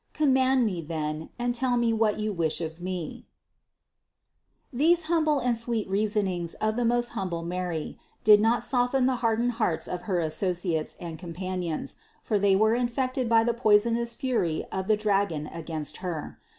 Command me then, and tell me what you wish of me." THE CONCEPTION 539 703. These humble and sweet reasonings of the most humble Mary did not soften the hardened hearts of her associates and companions, for they were infected by the poisonous fury of the dragon against Her.